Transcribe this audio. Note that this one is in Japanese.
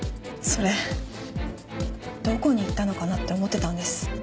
それどこにいったのかなって思ってたんです。